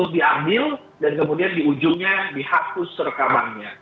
diambil dan kemudian di ujungnya dihapus rekamannya